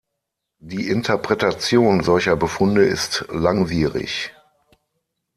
Die Interpretation solcher Befunde ist langwierig.